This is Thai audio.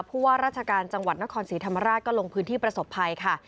ผู้ว่าราชการจังหวัดนครศรีธรรมราชก็ลงพื้นที่ประสบภัยค่ะ